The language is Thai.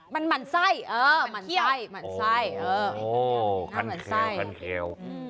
มันหมั่นไส้หมั่นเขี้ยวอ๋อคันแขว